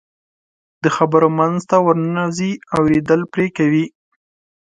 د خبرو منځ ته ورننوځي، اورېدل پرې کوي.